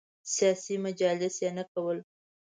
سیاسي مجالس یې نه کول.